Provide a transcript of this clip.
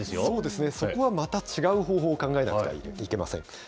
そうですね、そこはまた違う方法を考えなくてはいけません。